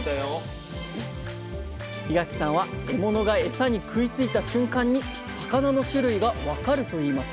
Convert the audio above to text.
檜垣さんは獲物が餌に食いついた瞬間に魚の種類が分かると言います